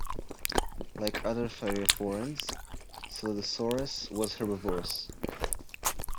Like other thyreophorans, "Scelidosaurus" was herbivorous.